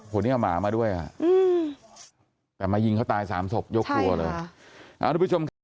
ผู้นี้เอาหมามาด้วยแต่มายิงเขาตาย๓ศพยกครัวเลย